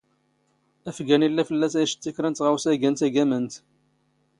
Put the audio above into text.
ⴰⴼⴳⴰⵏ ⵉⵍⵍⴰ ⴼⵍⵍⴰⵙ ⴰⴷ ⵉⵛⵜⵜⴰ ⴽⵔⴰ ⵏ ⵜⵖⴰⵡⵙⴰ ⵉⴳⴰⵏ ⵜⴰⴳⴰⵎⴰⵏⵜ.